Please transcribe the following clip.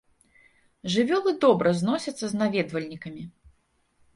Жывёлы добра зносяцца з наведвальнікамі.